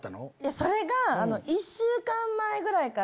それが。